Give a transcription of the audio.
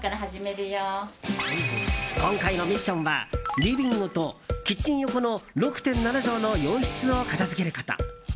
今回のミッションはリビングとキッチン横の６．７畳の洋室を片付けること。